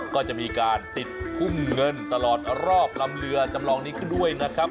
ก็จะมีการติดพุ่มเงินตลอดรอบลำเรือจำลองนี้ขึ้นด้วยนะครับ